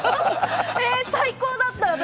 最高だった、私。